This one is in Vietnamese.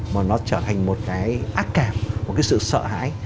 mà nó trở thành một cái ác cảm một cái sự sợ hãi